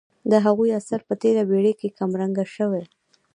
د هغو اثر په تېره پېړۍ کې کم رنګه شوی.